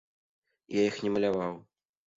Я іх не маляваў.